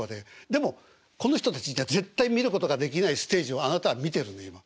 でもこの人たちには絶対見ることができないステージをあなたは見てるんだよ今。